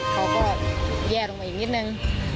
เขาก็แย่ลงมาอีกนิดนึง